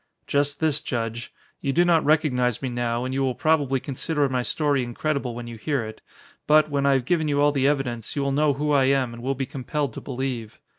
"Just this, Judge. You do not recognize me now, and you will probably consider my story incredible when you hear it. But, when I have given you all the evidence, you will know who I am and will be compelled to believe.